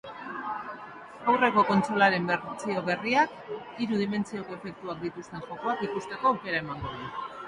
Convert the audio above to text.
Aurreko kontsolaren bertsio berriak hiru dimentsioko efektuak dituzten jokoak ikusteko aukera emango du.